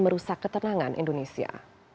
merusak ketenangan indonesia